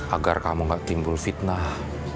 agar kamu gak timbul fitnah